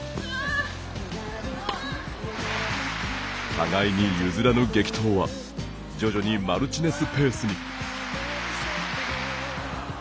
互いに譲らぬ激闘は徐々にマルチネスペースに。